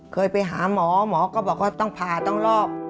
เคยไปหาหมอหมอก็บอกว่าต้องผ่าต้องรอบ